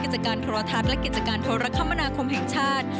กิจการโทรทัศน์และกิจการโทรคมนาคมแห่งชาติ